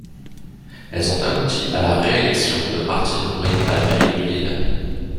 Elles ont abouti à la réélection de Martine Aubry à la mairie de Lille.